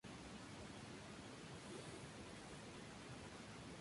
Cotton jugó baloncesto universitario para los Providence Friars.